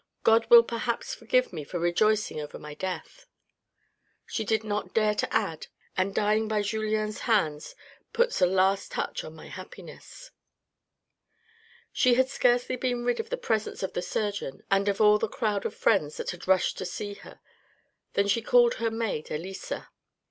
God will perhaps forgive me for rejoicing over my death." She did not dare to add, " and dying by Julien's hand puts the last touch on my happiness." She had scarcely been rid of the presence of the surgeon and of all the crowd of friends that had rushed to see her, than she called her maid, Elisa.